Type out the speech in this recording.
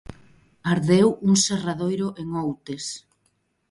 Ardeu un serradoiro en Outes.